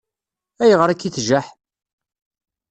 Ayɣer akka i tjaḥ?